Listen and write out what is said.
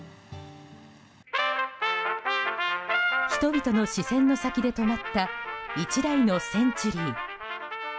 人々の視線の先で止まった１台のセンチュリー。